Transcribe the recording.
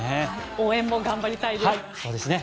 応援も頑張りたいです。